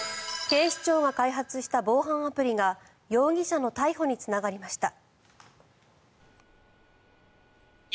警視庁が開発した防犯アプリが容疑者の逮捕につながりました。